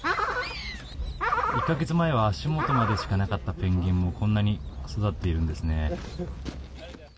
１か月前は足元までしかなかったペンギンもこんなに育っているんですね。